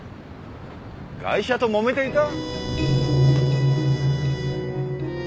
ガイシャともめていた？